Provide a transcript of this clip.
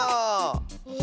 え